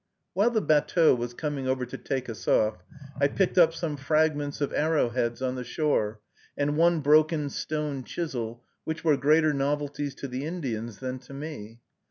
While the batteau was coming over to take us off, I picked up some fragments of arrowheads on the shore, and one broken stone chisel, which were greater novelties to the Indians than to me.